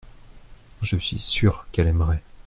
Je suis sûr qu’elle aimerait.